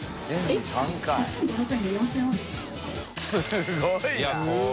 すごいな